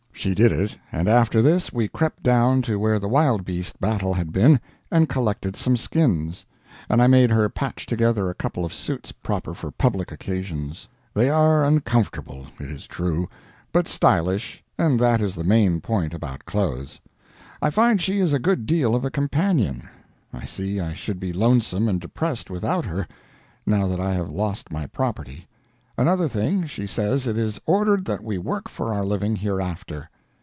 She did it, and after this we crept down to where the wild beast battle had been, and collected some skins, and I made her patch together a couple of suits proper for public occasions. They are uncomfortable, it is true, but stylish, and that is the main point about clothes.... I find she is a good deal of a companion. I see I should be lonesome and depressed without her, now that I have lost my property. Another thing, she says it is ordered that we work for our living hereafter.